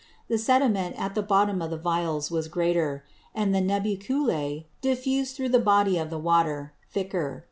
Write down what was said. The Sediment at the bottom of the Vials was greater; and the Nubeculæ, diffus'd through the Body of the Water, thicker.